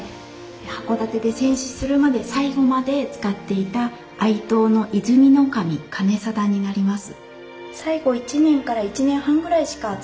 箱館で戦死するまで最期まで使っていた愛刀の和泉守兼定になります。